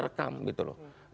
kita tidak bisa merekam